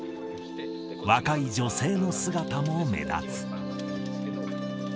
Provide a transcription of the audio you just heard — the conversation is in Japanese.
若い女性の姿も目立つ。